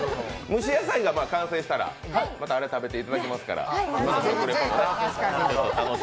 蒸し野菜が完成したらまたあれ食べていただきますから。